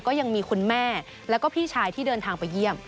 ก็ยังมีคุณแม่แล้วก็พี่ชายที่เดินทางไปเยี่ยม